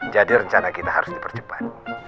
jadi rencana kita harus dipercepat